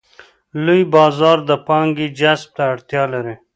لوی بازار د پانګې جذب ته اړتیا لري.